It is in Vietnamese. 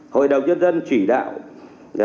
hội đồng dân dân chỉ đạo